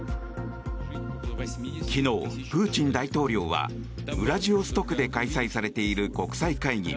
昨日、プーチン大統領はウラジオストクで開催されている国際会議